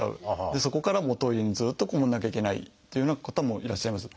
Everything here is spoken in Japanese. でそこからトイレにずっと籠もらなきゃいけないっていうような方もいらっしゃいます。